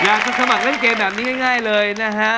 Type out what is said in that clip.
สมัครเล่นเกมแบบนี้ง่ายเลยนะฮะ